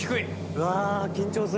うわ緊張する！